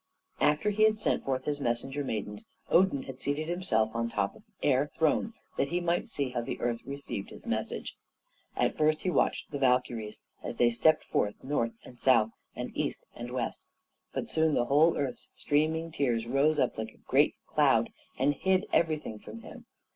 After he had sent forth his messenger maidens, Odin had seated himself on the top of Air Throne that he might see how the earth received his message. At first he watched the Valkyries as they stepped forth north and south, and east and west; but soon the whole earth's steaming tears rose up like a great cloud and hid everything from him.